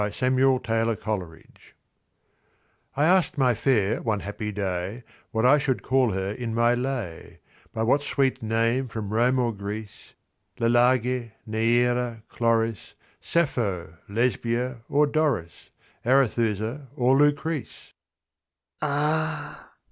R. NAMES[318:1] [FROM LESSING] I ask'd my fair one happy day, What I should call her in my lay; By what sweet name from Rome or Greece; Lalage, Neaera, Chloris, Sappho, Lesbia, or Doris, 5 Arethusa or Lucrece. 'Ah!'